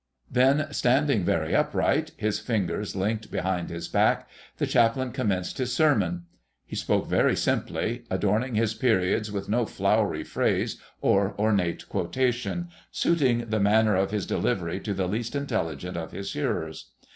Then, standing very upright, his fingers linked behind his back, the Chaplain commenced his sermon. He spoke very simply, adorning his periods with no flowery phrase or ornate quotation, suiting the manner of his delivery to the least intelligent of his hearers.